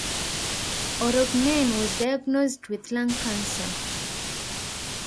Orognen was diagnosed with lung cancer.